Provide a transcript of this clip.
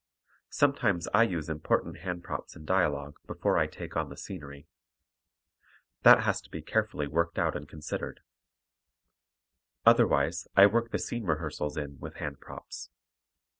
Sometimes I use important hand props in dialogue before I take on the scenery. That has to be carefully worked out and considered. Otherwise I work the scene rehearsals in with hand props.